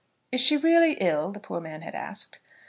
"Is she really ill?" the poor man had asked.